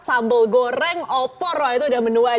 sambal goreng opor itu udah menu wajib